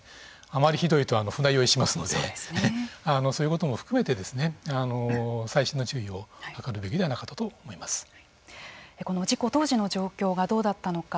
あまり、ひどいと船酔いしますのでそういうことも含めて細心の注意を図るべきこの事故当時の状況がどうだったのか。